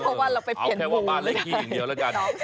เพราะว่าเราไปเปลี่ยนหมู่เอาแค่ว่าบ้านเลขที่อีกเดียวละกัน